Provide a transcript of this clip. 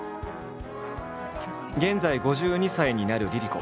現在５２歳になるＬｉＬｉＣｏ。